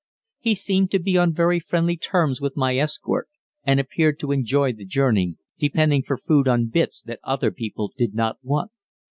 He seemed to be on very friendly terms with my escort, and appeared to enjoy the journey, depending for food on bits that other people did not want.